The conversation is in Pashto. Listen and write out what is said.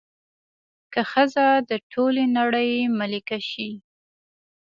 که ښځه د ټولې نړۍ ملکه شي